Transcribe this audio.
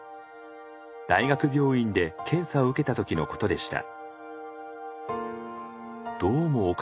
大学病院で検査を受けた時のことでした。